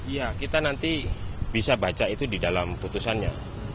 ya kita nanti bisa baca itu di dalam putusannya